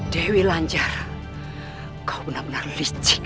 dewi lanjar kau benar benar licik